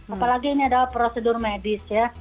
apalagi ini adalah prosedur medis ya